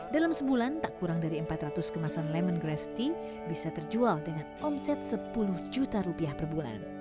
dalam sebulan tak kurang dari empat ratus kemasan lemon grass tea bisa terjual dengan omset sepuluh juta rupiah per bulan